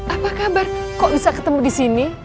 apa kabar kok bisa ketemu disini